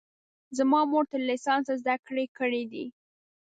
زما مور تر لیسانسه زده کړې کړي دي